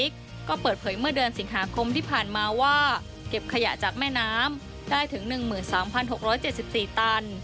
เก็บขยะจากแม่น้ำได้ถึง๑๓๖๗๔ตัน